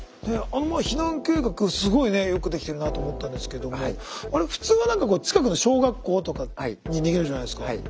避難計画すごいねえよくできてるなと思ったんですけども普通は何かこう近くの小学校とかに逃げるじゃないですか。